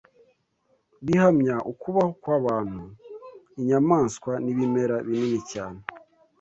bihamya ukubaho kw’abantu, inyamaswa n’ibimera binini cyane